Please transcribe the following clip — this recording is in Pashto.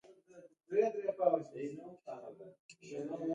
نورو ته هم هغه څه خوښ کړي چې د ځان لپاره يې خوښوي.